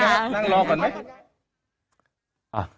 นั่งรอก่อนไหม